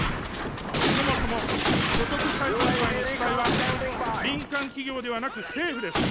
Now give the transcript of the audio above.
そもそも所得再分配の主体は、民間企業ではなく政府です。